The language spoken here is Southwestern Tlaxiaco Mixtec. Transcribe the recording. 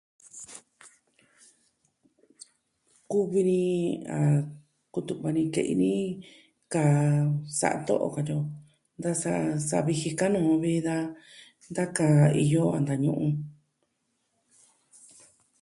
Kuvi ni, kutu'va ni kɨ'ɨn ni kaa... sa'a to'o katyi o da saa sa'a viji ka'nu vi daa da kaa iyo a ntañu'un.